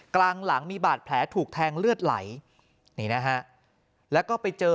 กลางหลังมีบาดแผลถูกแทงเลือดไหลนี่นะฮะแล้วก็ไปเจอ